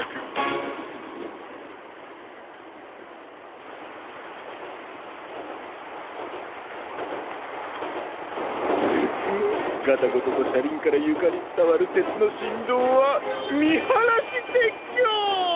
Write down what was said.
ンヅフッガタゴトとしゃりんからゆかにつたわるてつのしんどうはみはらしてっきょう！